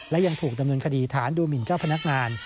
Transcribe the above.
และยังถูกดำเนินคดีฐานดูหมินเจ้าพนักงาน